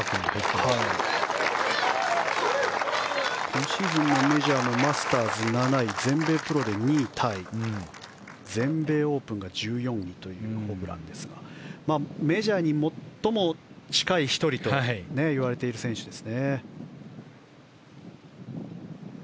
今シーズンメジャーもマスターズ７位全米プロで２位タイ全米オープンが１９位というホブランですがメジャーに最も近い１人といわれる選手です。